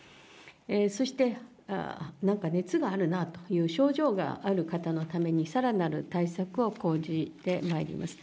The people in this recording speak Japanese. そして、なんか熱があるなと、症状がある方のために、さらなる対策を講じてまいります。